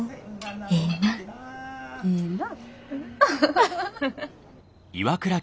ええなぁ。ええなぁ。